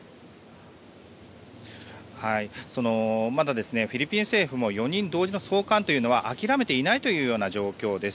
まだ、フィリピン政府も４人同時の送還というのは諦めていないという状況です。